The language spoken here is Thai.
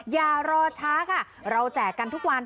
อย่ารอช้าค่ะเราแจกกันทุกวัน